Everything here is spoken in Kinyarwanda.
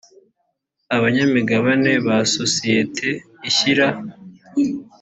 abanyamigabane ba sosiyete ishyira